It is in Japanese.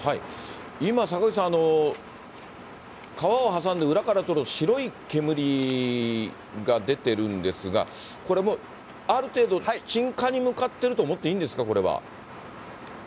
今、坂口さん、川を挟んで裏から、白い煙が出てるんですが、これ、ある程度鎮火に向かっていると思っていいんですか、これは。